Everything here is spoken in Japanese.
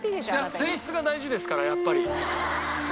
「いや泉質が大事ですからやっぱり」